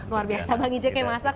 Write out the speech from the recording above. luar biasa bang ijek yang masak